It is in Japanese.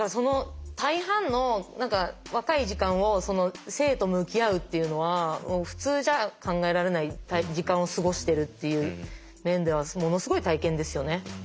大半の若い時間を生と向き合うっていうのは普通じゃ考えられない時間を過ごしてるっていう面ではものすごい体験ですよね。